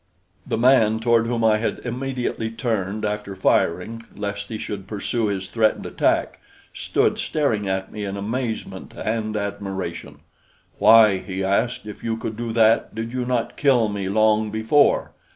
The man, toward whom I had immediately turned after firing, lest he should pursue his threatened attack, stood staring at me in amazement and admiration. "Why," he asked, "if you could do that, did you not kill me long before?"